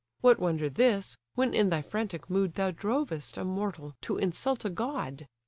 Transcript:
What wonder this, when in thy frantic mood Thou drovest a mortal to insult a god?